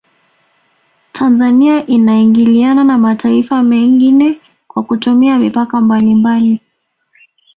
Tanzania inaingiliana na mataifa mengine kwa kutumia mipaka mbalimbali